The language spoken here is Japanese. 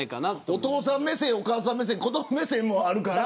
お父さん目線、お母さん目線子ども目線もあるから。